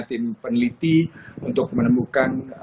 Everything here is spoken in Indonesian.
tim peneliti untuk menemukan